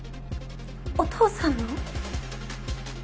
お父さんの？